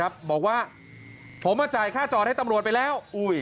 บอกว่าผมมาจ่ายค่าจอดให้ตำรวจไปแล้ว